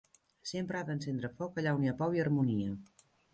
Sempre ha d'encendre foc allà on hi ha pau i harmonia!